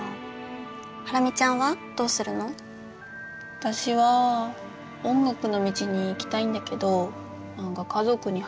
私は音楽の道に行きたいんだけど何か家族に反対されちゃってさ。